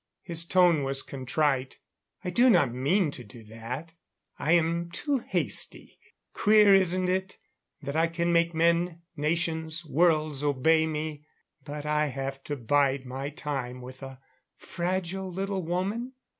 His tone was contrite. "I do not mean to do that. I am too hasty. Queer, isn't it, that I can make men, nations, worlds, obey me but I have to bide my time with a fragile little woman?"